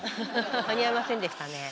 間に合いませんでしたね。